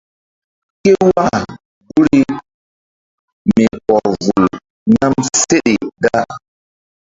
Ké waka guri mi pɔr vul nam seɗe da.